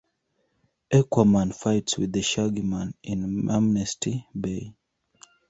Aquaman fights with the Shaggy Man in Amnesty Bay.